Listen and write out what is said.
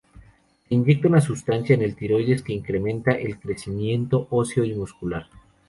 Se inyecta una sustancia en el tiroides que incrementa el crecimiento óseo y muscular.